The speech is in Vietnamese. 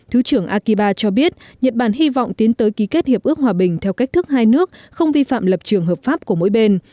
thứ trưởng akiba cho biết nhật bản hy vọng tiến tới ký kết hiệp ước hòa bình theo cách thức hai nước không vi phạm lập trường hợp pháp của mỗi bên